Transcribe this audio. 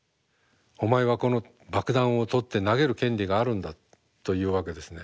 お前はこの爆弾を取って投げる権利があるんだというわけですね。